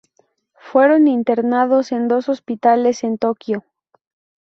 Fueron internados en dos hospitales en Tokio.